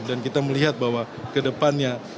dan kita melihat bahwa kedepannya